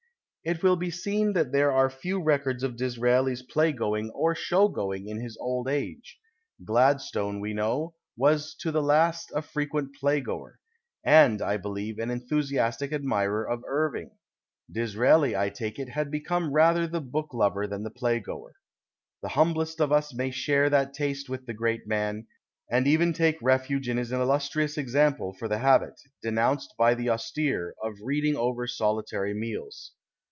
It will be seen that there are few records of Dis raeli's playgoing or show going in his old age. Gladstone, we know, was to the last a frequent playgoer — and, I believe, an enthusiastic admirer of Irving. Disraeli, I take it, had become ratlier the book lover tluin the playgoer. Tiie humblest of us may share that taste with the great man, and 153 PASTICHE AND PREJUDICE even take refuge in his illustrious example for the habit, denounced by the austere, of reading over solitary meals.